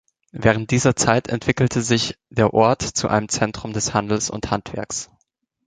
Während dieser Zeit entwickelte sich der Ort zu einem Zentrum des Handels und Handwerks.